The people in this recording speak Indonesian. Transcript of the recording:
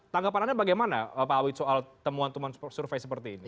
tanggapan anda bagaimana pak awid soal temuan temuan survei seperti ini